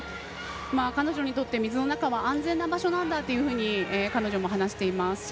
彼女にとって水の中は安全な場所なんだと話しています。